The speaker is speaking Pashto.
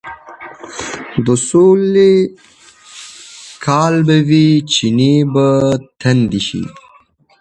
د سولې کال به وي، چينې به تاندې شي،